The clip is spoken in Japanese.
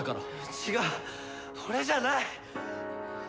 違う俺じゃない！